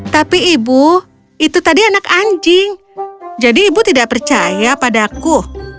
tapi ibu itu tadi anak anjing jadi ibu tidak percaya padaku